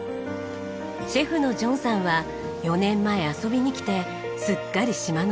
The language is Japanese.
シェフのジョンさんは４年前遊びに来てすっかり島のとりこに。